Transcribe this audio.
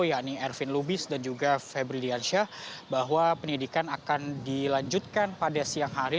yakni ervin lubis dan juga febrilyan syah bahwa penyidikan akan dilanjutkan pada siang hari